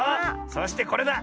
そしてこれだ。